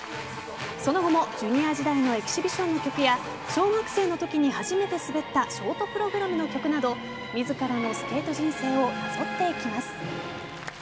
その後もジュニア時代のエキシビションの曲や小学生のときに初めて滑ったショートプログラムの曲など自らのスケート人生をなぞっていきます。